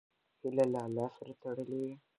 هیله له الله سره تړلې وي.